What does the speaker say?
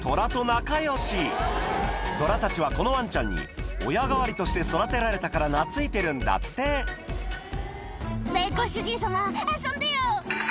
トラたちはこのワンちゃんに親代わりとして育てられたから懐いてるんだって「ねぇご主人様遊んでよ！」